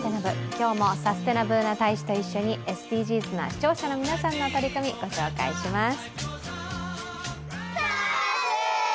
今日もサステナＢｏｏｎａ大使と一緒にＳＤＧｓな視聴者の皆さんの取り組み、ご紹介します。